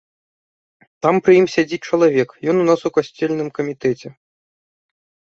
Там пры ім сядзіць чалавек, ён у нас у касцельным камітэце.